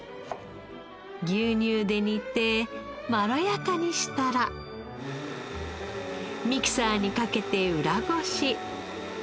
牛乳で煮てまろやかにしたらミキサーにかけて裏ごし。